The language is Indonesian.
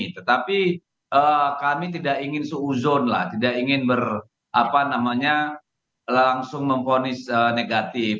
tetapi kami tidak ingin seuzon lah tidak ingin langsung memponis negatif